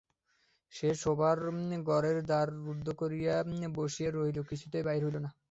সে শোবার ঘরের দ্বার রুদ্ধ করিয়া বসিয়া রহিল, কিছুতেই বাহির হইল না।